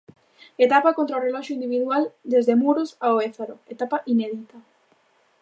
Etapa contra o reloxo individual desde Muros ao Ézaro, etapa inédita.